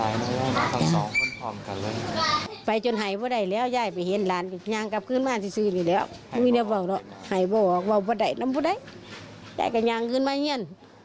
ยายเลี่ยงกับทั้งสองคนเลย